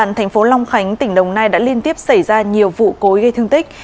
công an thành phố long khánh tỉnh đồng nai đã liên tiếp xảy ra nhiều vụ cối gây thương tích